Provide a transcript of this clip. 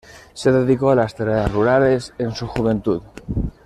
Se dedicó a las tareas rurales en su juventud.